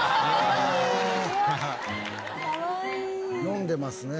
「飲んでますね」